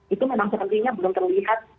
itu memang sepertinya belum terlihat